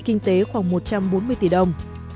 kinh tế khoảng một trăm bốn mươi tỷ đồng